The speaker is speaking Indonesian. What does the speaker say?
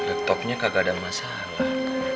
laptopnya kagak ada masalah